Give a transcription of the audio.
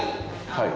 はい。